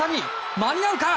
間に合うか？